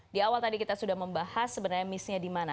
di awal tadi kita sudah membahas sebenarnya missnya di mana